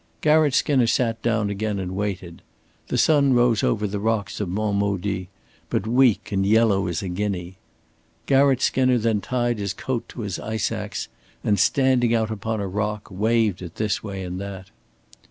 Garratt Skinner sat down again and waited. The sun rose over the rocks of Mont Maudit, but weak, and yellow as a guinea. Garratt Skinner then tied his coat to his ice ax, and standing out upon a rock waved it this way and that.